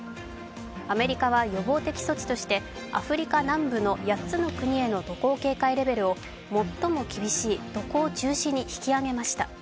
アメリカは予防的措置としてアフリカ南部の８つの国と地域を渡航警戒レベルを最も厳しい渡航中止に引き上げました。